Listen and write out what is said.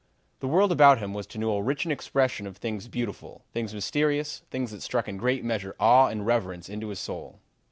"The world about him was to Newell rich in expression of things beautiful, things mysterious, things that struck in great measure awe and reverence into his soul.